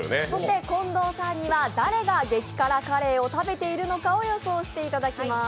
近藤さんには誰が激辛カレーを食べているのかを予想していただきます。